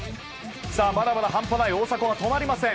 まだまだ半端ない大迫は止まりません。